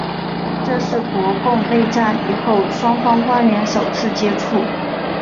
这是国共内战以后双方官员首次接触。